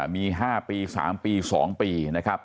มี๕ปี๓ปี๒ปีนะครับ